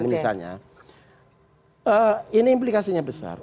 ini implikasinya besar